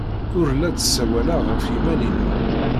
Ur la d-ssawaleɣ ɣef yiman-inu.